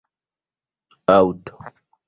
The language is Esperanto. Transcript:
Aŭto.